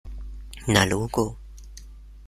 Na logo!